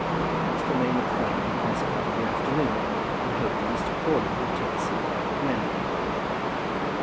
He must remain at Framley the best part of the afternoon, and hoped that Mr. Crawley would take a seat back again.